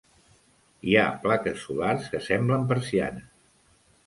Hi ha plaques solars que semblen persianes.